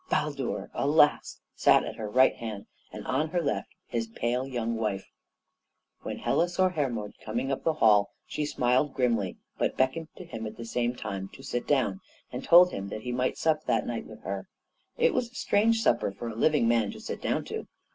Baldur, alas! sat at her right hand, and on her left his pale young wife. When Hela saw Hermod coming up the hall she smiled grimly, but beckoned to him at the same time to sit down, and told him that he might sup that night with her. It was a strange supper for a living man to sit down to.